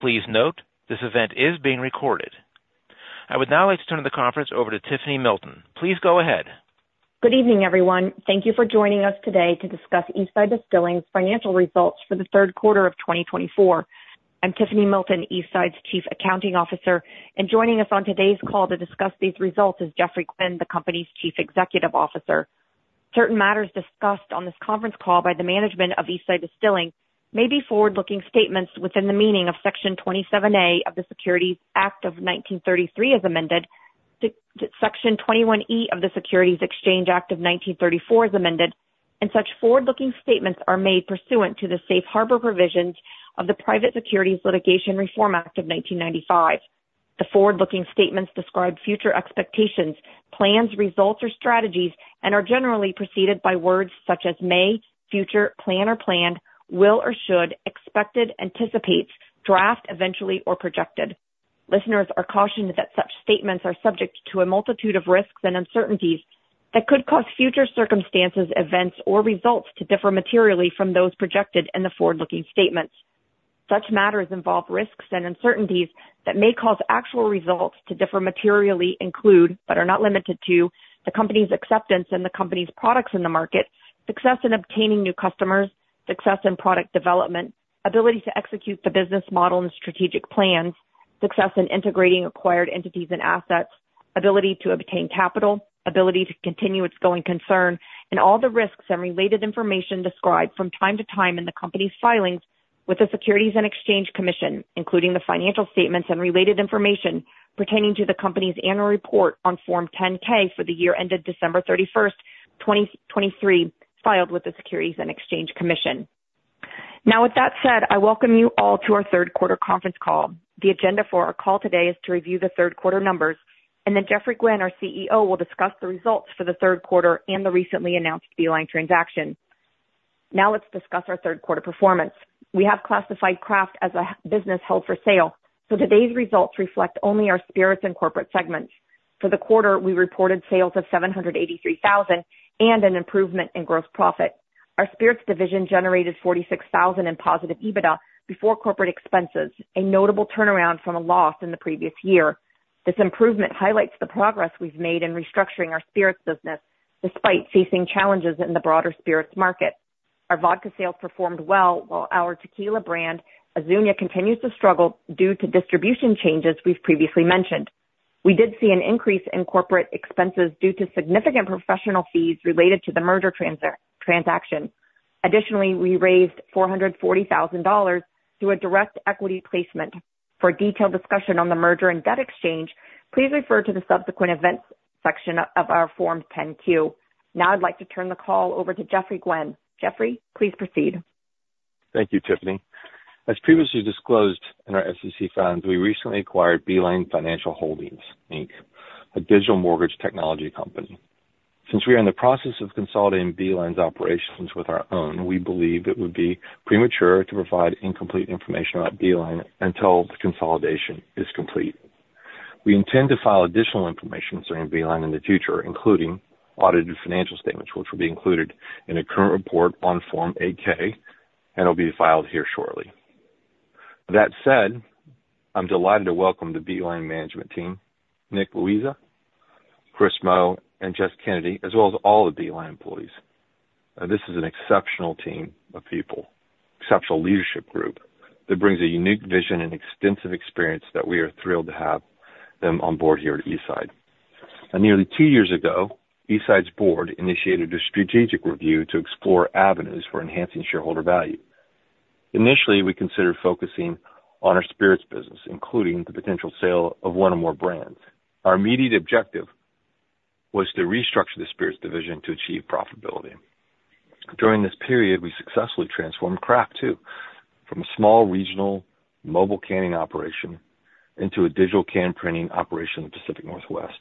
Please note, this event is being recorded. I would now like to turn the conference over to Tiffany Milton. Please go ahead. Good evening, everyone. Thank you for joining us today to discuss Eastside Distilling's financial results for the Q3 of 2024. I'm Tiffany Milton, Eastside's Chief Accounting Officer, and joining us on today's call to discuss these results is Geoffrey Gwin, the company's Chief Executive Officer. Certain matters discussed on this conference call by the management of Eastside Distilling may be forward-looking statements within the meaning of Section 27A of the Securities Act of 1933 as amended, to Section 21E of the Securities Exchange Act of 1934 as amended, and such forward-looking statements are made pursuant to the safe harbor provisions of the Private Securities Litigation Reform Act of 1995. The forward-looking statements describe future expectations, plans, results, or strategies, and are generally preceded by words such as may, future, plan or planned, will or should, expected, anticipates, draft, eventually, or projected. Listeners are cautioned that such statements are subject to a multitude of risks and uncertainties that could cause future circumstances, events, or results to differ materially from those projected in the forward-looking statements. Such matters involve risks and uncertainties that may cause actual results to differ materially, include, but are not limited to, the company's acceptance and the company's products in the market, success in obtaining new customers, success in product development, ability to execute the business model and strategic plans, success in integrating acquired entities and assets, ability to obtain capital, ability to continue its going concern. All the risks and related information described from time to time in the company's filings with the U.S. Securities and Exchange Commission, including the financial statements and related information pertaining to the company's annual report on Form 10-K for the year ended 31 December, 2023, filed with the U.S. Securities and Exchange Commission. With that said, I welcome you all to our Q3 conference call. The agenda for our call today is to review the Q3 numbers, and then Geoffrey Gwin, our CEO, will discuss the results for the Q3 and the recently announced Beeline transaction. Let's discuss our Q3 performance. We have classified Craft as a business held for sale, so today's results reflect only our spirits and corporate segments. For the quarter, we reported sales of $783,000 and an improvement in gross profit. Our spirits division generated $46,000 in positive EBITDA before corporate expenses, a notable turnaround from a loss in the previous year. This improvement highlights the progress we've made in restructuring our spirits business despite facing challenges in the broader spirits market. Our vodka sales performed well, while our tequila brand, Azuñia, continues to struggle due to distribution changes we've previously mentioned. We did see an increase in corporate expenses due to significant professional fees related to the merger transaction. Additionally, we raised $440,000 through a direct equity placement. For a detailed discussion on the merger and debt exchange, please refer to the subsequent events section of our Form 10-Q. I'd like to turn the call over to Geoffrey Gwin. Geoffrey, please proceed. Thank you, Tiffany. As previously disclosed in our SEC filings, we recently acquired Beeline Financial Holdings, Inc., a digital mortgage technology company. Since we are in the process of consolidating Beeline's operations with our own, we believe it would be premature to provide incomplete information about Beeline until the consolidation is complete. We intend to file additional information concerning Beeline in the future, including audited financial statements, which will be included in a current report on Form 8-K, it'll be filed here shortly. That said, I'm delighted to welcome the Beeline management team, Nick Liuzza, Chris Moe, and Jess Kennedy, as well as all the Beeline employees. This is an exceptional team of people, exceptional leadership group that brings a unique vision and extensive experience that we are thrilled to have them on board here at Eastside. Nearly two years ago, Eastside's board initiated a strategic review to explore avenues for enhancing shareholder value. Initially, we considered focusing on our spirits business, including the potential sale of one or more brands. Our immediate objective was to restructure the spirits division to achieve profitability. During this period, we successfully transformed Craft, too, from a small regional mobile canning operation into a digital can printing operation in the Pacific Northwest.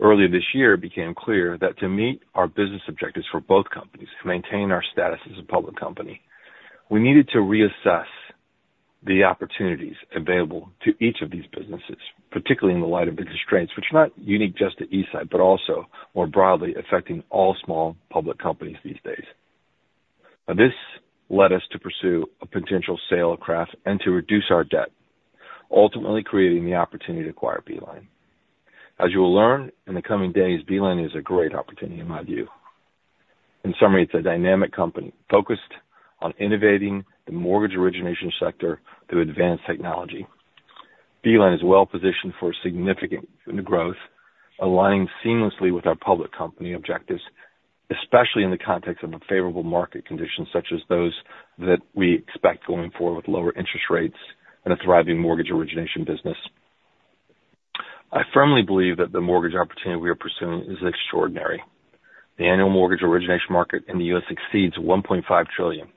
Earlier this year, it became clear that to meet our business objectives for both companies and maintain our status as a public company, we needed to reassess the opportunities available to each of these businesses, particularly in the light of the constraints, which are not unique just to Eastside, but also more broadly affecting all small public companies these days. This led us to pursue a potential sale of craft and to reduce our debt, ultimately creating the opportunity to acquire Beeline. As you will learn in the coming days, Beeline is a great opportunity in my view. In summary, it's a dynamic company focused on innovating the mortgage origination sector through advanced technology. Beeline is well positioned for significant growth, aligning seamlessly with our public company objectives, especially in the context of favorable market conditions such as those that we expect going forward with lower interest rates and a thriving mortgage origination business. I firmly believe that the mortgage opportunity we are pursuing is extraordinary. The annual mortgage origination market in the U.S. exceeds $1.5 trillion.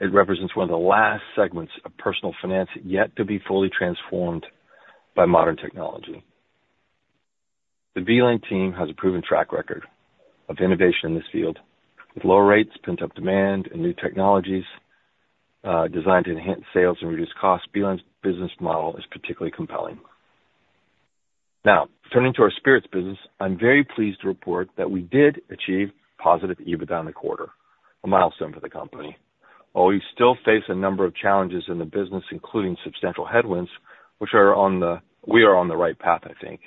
It represents one of the last segments of personal finance yet to be fully transformed by modern technology. The Beeline team has a proven track record of innovation in this field. With low rates, pent-up demand, and new technologies designed to enhance sales and reduce costs, Beeline's business model is particularly compelling. Turning to our spirits business, I'm very pleased to report that we did achieve positive EBITDA in the quarter, a milestone for the company. While we still face a number of challenges in the business, including substantial headwinds, we are on the right path, I think,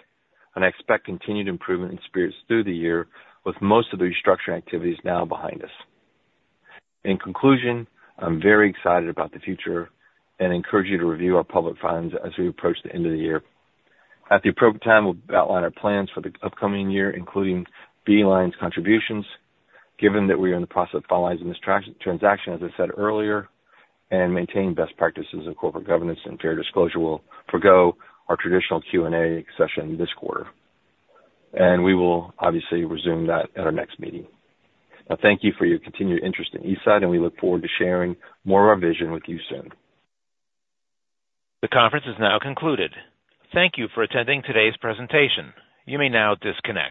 and I expect continued improvement in spirits through the year, with most of the restructuring activities now behind us. In conclusion, I'm very excited about the future and encourage you to review our public filings as we approach the end of the year. At the appropriate time, we'll outline our plans for the upcoming year, including Beeline's contributions. Given that we are in the process of finalizing this transaction, as I said earlier, and maintaining best practices of corporate governance and fair disclosure, we'll forgo our traditional Q&A session this quarter, and we will obviously resume that at our next meeting. Thank you for your continued interest in Eastside, and we look forward to sharing more of our vision with you soon. The conference is now concluded. Thank you for attending today's presentation. You may now disconnect.